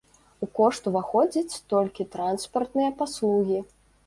У кошт уваходзяць толькі транспартныя паслугі.